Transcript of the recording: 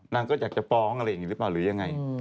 นางก็อยากจะฟ้องอะไรอย่างนี้หรือเปล่าหรือยังไง